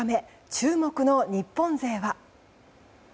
注目の日本勢は。